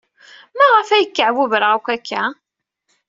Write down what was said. Maɣef ay kkeɛbubreɣ akk akka?